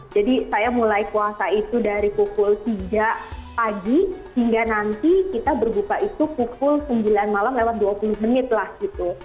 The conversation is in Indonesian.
jadi saya mulai puasa itu dari pukul tiga pagi hingga nanti kita berbuka itu pukul sembilan malam lewat dua puluh menit lah gitu